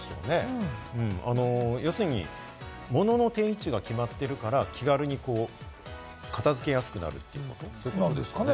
要するに物の定位置が決まってるから気軽に片付けやすくなるっていうことなんですかね？